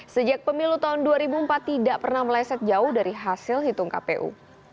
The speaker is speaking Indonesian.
sejak pemilu tahun dua ribu empat tidak pernah meleset jauh dari hasil hitung kpu